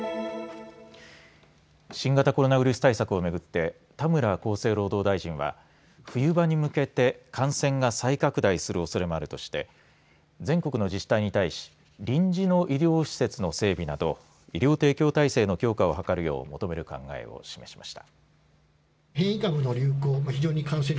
新型コロナウイルス対策を巡って田村厚生労働大臣は冬場に向けて感染が再拡大するおそれもあるとして全国の自治体に対し臨時の医療施設の整備など医療提供体制の強化を図るよう求める考えを示しました。